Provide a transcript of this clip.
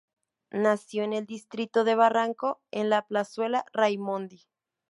Nació en el Distrito de Barranco, en la Plazuela Raimondi.